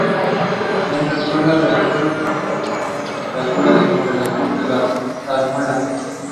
Closed body choices were painted similar without cream yellow painted wheels.